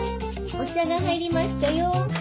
お茶が入りましたよ。